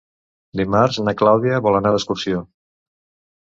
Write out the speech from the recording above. Dimarts na Clàudia vol anar d'excursió.